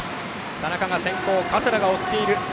田中が先頭、加世田が追っている。